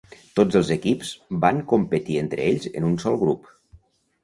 Tots els equips van competir entre ells en un sol grup.